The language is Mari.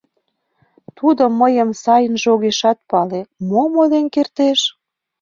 — Тудо мыйым сайынже огешат пале, мом ойлен кертеш?